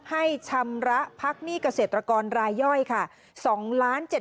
ชำระพักหนี้เกษตรกรรายย่อยค่ะ